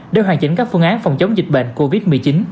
để hoàn chỉnh các phương án phòng chống dịch bệnh covid một mươi chín